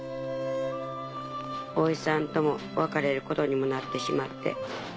「おいさんとも別れることにもなってしまって。